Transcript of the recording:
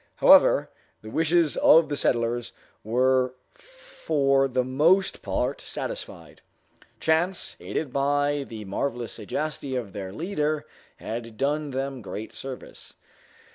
However, the wishes of the settlers were for the most part satisfied. Chance, aided by the marvelous sagacity of their leader, had done them great service.